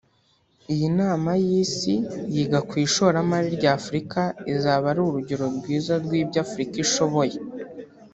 Iyi nama y’isi yiga ku ishoramari rya Afurika izaba ari urugero rwiza rw’ibyo Afurika ishoboye